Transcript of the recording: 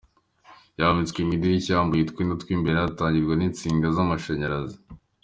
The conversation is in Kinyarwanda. Yasimbutse mu idirishya yambaye utwenda tw’ imbere atangirwa n’insinga z’amashanyarazi.